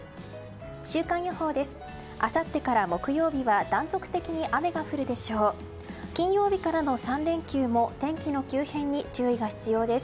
週間予報です。